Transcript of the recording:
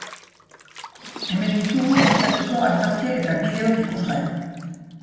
Hemen ditugu ekitaldiko argazkiak eta bideoak ikusgai!